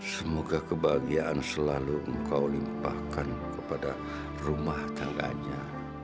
semoga kebahagiaan selalu engkau limpahkan kepada rumah tangganya